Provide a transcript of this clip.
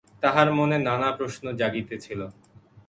তাহার মনে নানা প্রশ্ন জাগিতেছিল।